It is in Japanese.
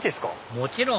もちろん！